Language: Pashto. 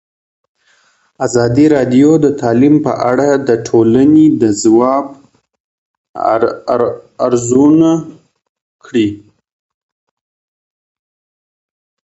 ازادي راډیو د تعلیم په اړه د ټولنې د ځواب ارزونه کړې.